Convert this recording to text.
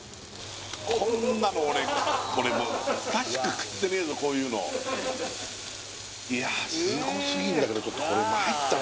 こんなの俺久しく食ってねえぞこういうのいやすごすぎんだけどちょっとこれまいったな